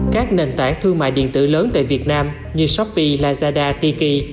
các nền tảng thương mại điện tử lớn tại việt nam như shopee lazada tiki